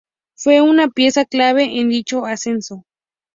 Fue una pieza clave en dicho ascenso.